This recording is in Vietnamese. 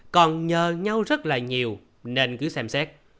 còn nhờ nhau rất là nhiều nên cứ xem xét